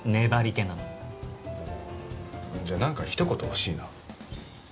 うーんじゃあなんかひと言欲しいな。